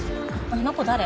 あの子誰？